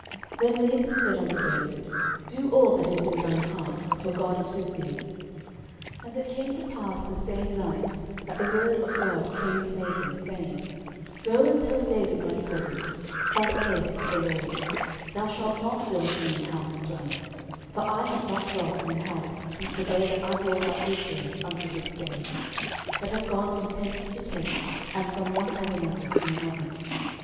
13:017:002 Then Nathan said unto David, Do all that is in thine heart; for God is with thee. 13:017:003 And it came to pass the same night, that the word of God came to Nathan, saying, 13:017:004 Go and tell David my servant, Thus saith the LORD, Thou shalt not build me an house to dwell in: 13:017:005 For I have not dwelt in an house since the day that I brought up Israel unto this day; but have gone from tent to tent, and from one tabernacle to another.